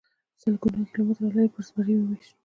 سلګونه کیلومتره لرې یې پرې زمری وويشت.